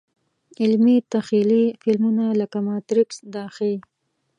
علمي – تخیلي فلمونه لکه ماتریکس دا ښيي.